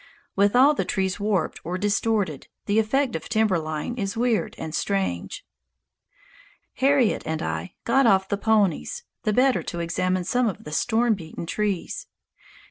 With all the trees warped or distorted, the effect of timber line is weird and strange. Harriet and I got off the ponies the better to examine some of the storm beaten trees.